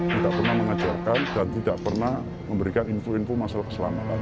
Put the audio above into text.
tidak pernah mengajarkan dan tidak pernah memberikan info info masalah keselamatan